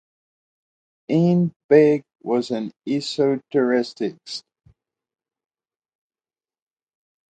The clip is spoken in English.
Ean Begg was an esotericist.